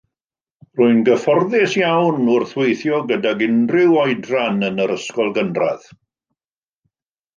Rwy'n gyfforddus iawn wrth weithio gydag unrhyw oedran yn yr ysgol gynradd.